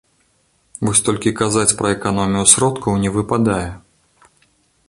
Вось толькі казаць пра эканомію сродкаў не выпадае.